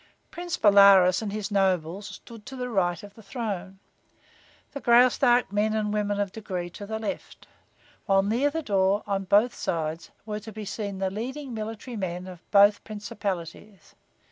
Prince Bolaroz and his nobles stood to the right of the throne, the Graustark men and women of degree to the left, while near the door, on both sides were to be seen the leading military men of both principalities.